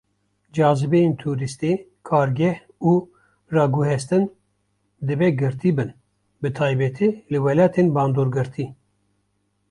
Cazîbeyên tûrîstî, kargeh, û raguhestin dibe girtî bin, bi taybetî li welatên bandorgirtî.